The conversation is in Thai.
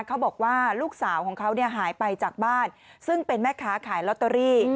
เขาบอกว่าลูกสาวของเขาหายไปจากบ้านซึ่งเป็นแม่ค้าขายลอตเตอรี่